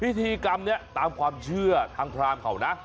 พิธีกรรมนี้ตามความเชื่อทางพรามเขานะ